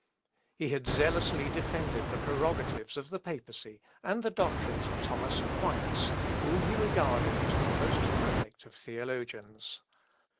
He had zealously defended the prerogatives of the papacy, and the doctrines of Thomas Aquinas, whom he regarded as the most perfect of theologians.